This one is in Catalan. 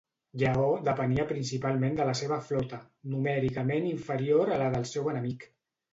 Lleó depenia principalment de la seva flota, numèricament inferior a la del seu enemic.